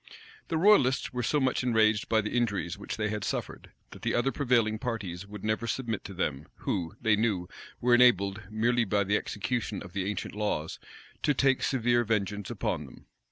The royalists were so much enraged by the injuries which they had suffered, that the other prevailing parties would never submit to them, who, they knew, were enabled, merely by the execution of the ancient laws, to take severe vengeance upon them.